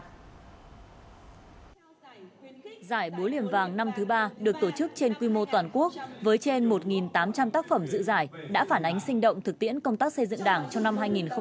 giải búa liềm vàng năm thứ ba được tổ chức trên quy mô toàn quốc với trên một tám trăm linh tác phẩm dự giải đã phản ánh sinh động thực tiễn công tác xây dựng đảng trong năm hai nghìn hai mươi